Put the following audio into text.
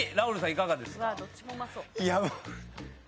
いかがですか？